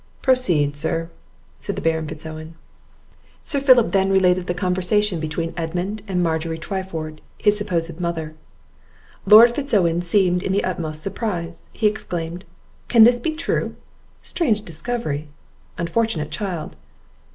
"Proceed, sir," said the Baron Fitz Owen. Sir Philip then related the conversation between Edmund and Margery Twyford, his supposed mother. Lord Fitz Owen seemed in the utmost surprise. He exclaimed, "Can this be true? strange discovery! unfortunate child!"